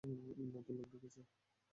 নতুন লোক ঢুকেছে।